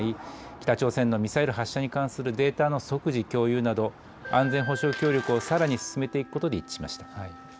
北朝鮮のミサイル発射に関するデータの即時共有など安全保障協力をさらに進めていくことで一致しました。